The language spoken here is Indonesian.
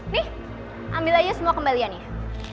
nih ambil aja semua kembalian ya